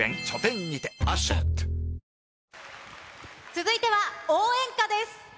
続いては、応援歌です。